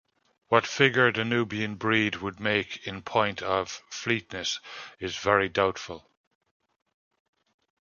What figure the Nubian breed would make in point of fleetness is very doubtful.